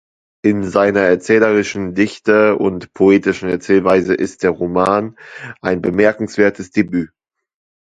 In seiner erzählerischen Dichte und poetischen Erzählweise ist der Roman ein bemerkenswertes Debüt“.